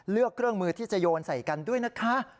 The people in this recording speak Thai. เลือกเครื่องมือที่จะโยนใส่กันด้วยนะคะ